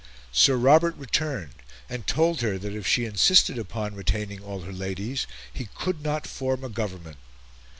Sir Robert returned, and told her that if she insisted upon retaining all her Ladies he could not form a Government.